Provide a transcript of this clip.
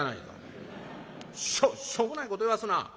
しょしょうもないこと言わすな。